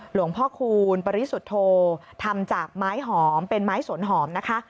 หลวงพ่อคูณปริสุทธโธทำจากไม้หอมเป็นไม้สวนหอมนะคะ